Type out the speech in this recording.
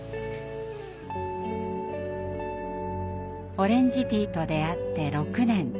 オレンジティと出会って６年。